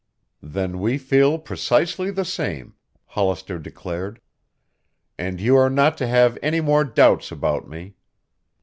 "Then we feel precisely the same," Hollister declared. "And you are not to have any more doubts about me.